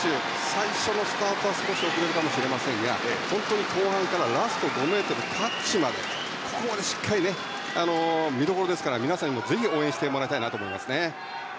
最初のスタートは少し遅れるかもしれませんが本当に後半からラスト５ｍ、タッチまでここまでしっかり見どころですから皆さんにもぜひ応援してもらいたいなと思いますね。